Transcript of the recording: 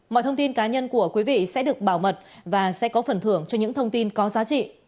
mọi thông tin cá nhân của quý vị sẽ được bảo mật và sẽ có phần thưởng cho những thông tin có giá trị